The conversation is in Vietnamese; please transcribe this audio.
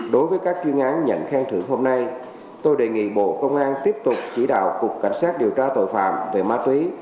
đối với các chuyên án nhận khen thưởng hôm nay tôi đề nghị bộ công an tiếp tục chỉ đạo cục cảnh sát điều tra tội phạm về ma túy